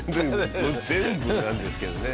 全部なんですけどね。